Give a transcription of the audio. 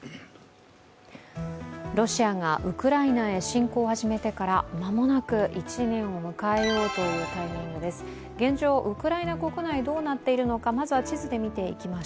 ロシアがウクライナへ侵攻を始めてから間もなく１年を迎えようとしています。